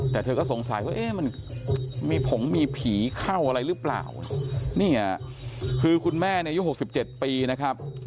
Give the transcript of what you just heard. แต่เธอก็สงสัยว่ามันมีผงมีผีเข้าอะไรหรือเปล่าคือคุณแม่ในยุค๖๗ปีนะครับ